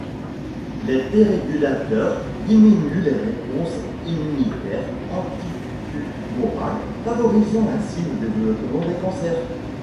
Les T régulateurs diminuent les réponses immunitaires anti-tumorales, favorisant ainsi le développement des cancers.